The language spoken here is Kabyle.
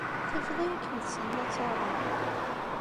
Tifeḍ-iyi akken tessneḍ ad taruḍ.